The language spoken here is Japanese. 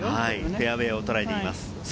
フェアウエーを捉えています。